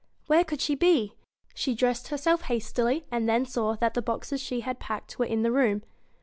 Where could she be ? She dressed herself hastily, and then saw that the boxes she had packed were in the room.